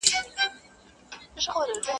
o گيله نيمايي جنگ دئ.